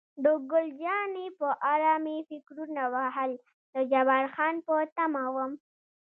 د ګل جانې په اړه مې فکرونه وهل، د جبار خان په تمه وم.